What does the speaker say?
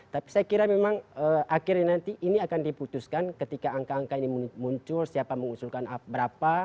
tapi saya kira memang akhirnya nanti ini akan diputuskan ketika angka angka ini muncul siapa mengusulkan berapa